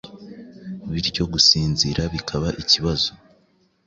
bityo gusinzira bikaba ikibazo.